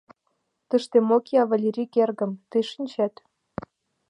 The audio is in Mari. Тыште мо кия, Валерик эргым, тый шинчет.